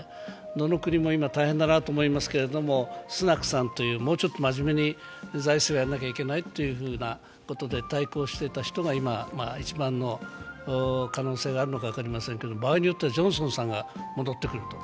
どの国も今、大変だなと思いますけれども、スナクさんというもうちょっと真面目に財政をやらなくちゃいけないということで対抗していた人が今、一番の可能性があるのか分かりませんが場合によってはジョンソンさんが戻ってくると。